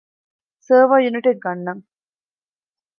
ސަރވަރ ޔުނިޓެއް ގަންނަން